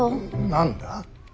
何だ。